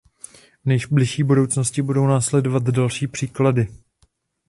V nejbližší budoucnosti budou následovat další příklady.